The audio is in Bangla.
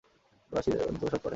তুমি আসিবে, নতুবা শরৎকে পাঠাইবে।